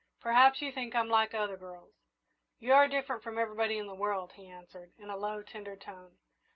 "Perhaps you think I'm like other girls!" "You are different from everybody in the world," he answered, in a low, tender tone.